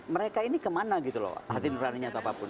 mereka ini kemana gitu loh hati nuraninya atau apapun